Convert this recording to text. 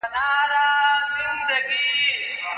د یارۍ مثال د تېغ دی خلاصېدل ورڅخه ګران دي